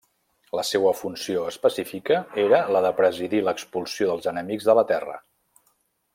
La seua funció específica era la de presidir l'expulsió dels enemics de la terra.